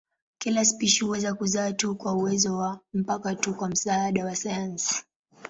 Kila spishi huweza kuzaa tu kwa uwezo wao mpaka tu kwa msaada wa sayansi.